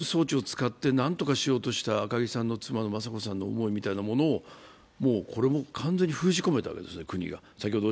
ところが民主主義のあらゆる装置を使って何とかしようとした赤木さんの妻の雅子さんの思いみたいなものを完全に封じ込めたんですね、国が。